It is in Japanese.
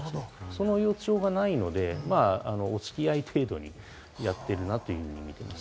その予兆がないので、お付き合い程度にやってるなという感じです。